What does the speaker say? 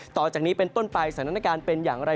ต่อจากนี้เป็นต้นไปสถานการณ์เป็นอย่างไร